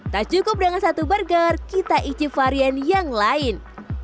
tak cukup dengan satu burger kita icip varian yang lain